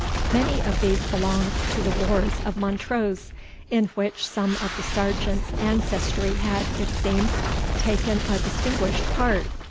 Many of these belonged to the wars of Montrose, in which some of the Sergeant's ancestry had, it seems, taken a distinguished part.